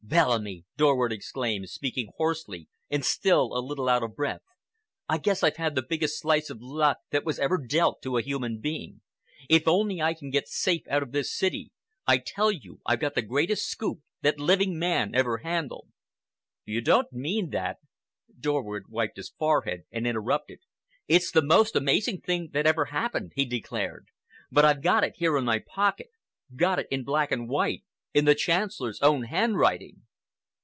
"Bellamy," Dorward exclaimed, speaking hoarsely and still a little out of breath, "I guess I've had the biggest slice of luck that was ever dealt out to a human being. If only I can get safe out of this city, I tell you I've got the greatest scoop that living man ever handled." "You don't mean that—" Dorward wiped his forehead and interrupted. "It's the most amazing thing that ever happened," he declared, "but I've got it here in my pocket, got it in black and white, in the Chancellor's own handwriting."